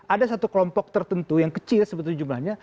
ada satu kelompok tertentu yang kecil sebetulnya jumlahnya